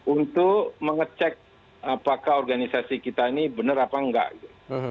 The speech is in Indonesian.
untuk mengecek apakah organisasi kita ini benar apa enggak gitu